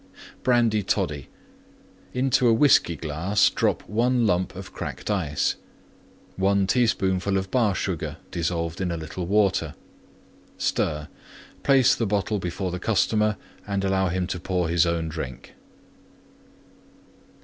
BRANDY TODDY Into a Whiskey glass drop 1 lump Cracked Ice. 1 teaspoonful of Bar Sugar dissolved in little Water. Stir; place the bottle before the customer and allow him to pour his own drink.